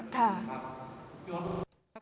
ขอบคุณครับ